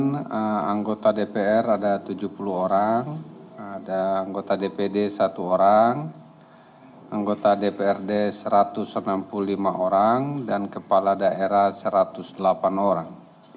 di kementerian agama dua ribu delapan belas dua ribu sembilan belas anggota dpr ada tujuh puluh orang ada anggota dpd satu orang anggota dprd satu ratus enam puluh lima orang dan kepala daerah satu ratus delapan orang